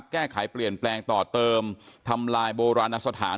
แก้ไขเปลี่ยนแปลงต่อเติมทำลายโบราณสถาน